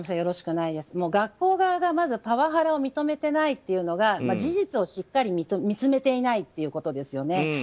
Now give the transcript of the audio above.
学校側がまずパワハラを認めてないというのが事実をしっかり見つめていないということですよね。